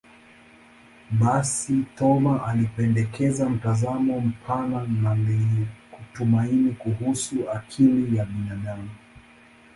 Basi, Thoma alipendekeza mtazamo mpana na lenye tumaini kuhusu akili ya binadamu.